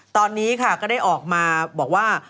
ตอนนี้ค่ะก็ได้ออกมาบอกว่า